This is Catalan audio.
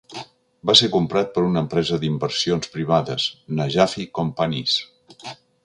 Va ser comprat per una empresa d'inversions privades, Najafi Companies.